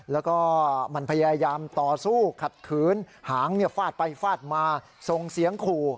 แล้วก็มันพยายามต่อสู้ขัดขืนหางฟาดไปฟาดมาส่งเสียงขู่